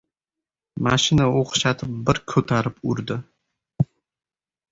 Mashina o‘xshatib bir ko‘tarib urdi.